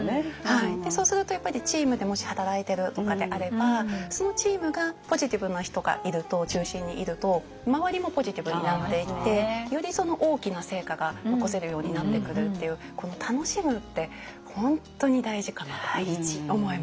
そうするとやっぱりチームでもし働いてるとかであればそのチームがポジティブな人が中心にいると周りもポジティブになっていってより大きな成果が残せるようになってくるっていうこの楽しむって本当に大事かなと思います。